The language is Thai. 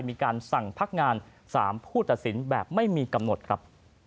มีการสั่งพักงาน๓ผู้ตัดสินแบบไม่มีกำหนดครับ